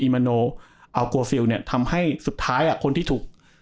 อิมโมโนอัลกวอร์ฟิลเนี้ยทำให้สุดท้ายอ่ะคนที่ถูก